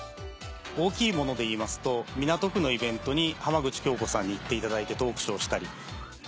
大きいもので言いますと港区のイベントに浜口京子さんに行っていただいてトークショーをしたり。